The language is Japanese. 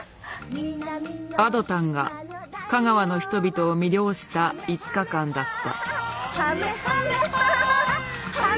亜土タンが香川の人々を魅了した５日間だった。